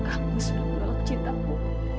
aku sudah menolak cintamu